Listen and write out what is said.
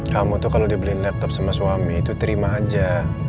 kamu tuh kalau dibeli laptop sama suami itu terima aja